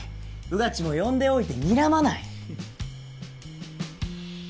穿地も呼んでおいてにらまない！